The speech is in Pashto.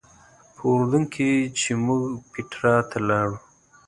په اردن کې چې موږ پیټرا ته لاړو.